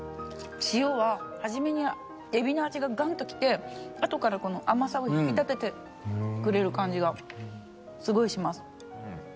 塩ははじめに海老の味がガンときて後からこの甘さを引き立ててくれる感じがすごいします。